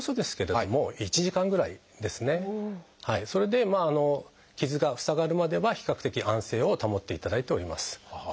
それで傷が塞がるまでは比較的安静を保っていただいております。